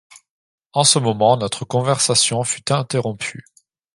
En ce moment notre conversation fut interrompue.